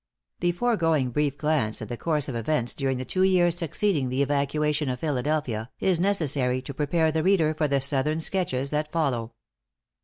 The foregoing brief glance at the course of events during the two years succeeding the evacuation of Philadelphia, is necessary to prepare the reader for the southern sketches that follow.